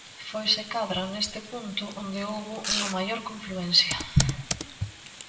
Foi se cadra neste punto onde houbo unha maior confluencia.